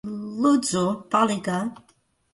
Lūdzu, palīgā!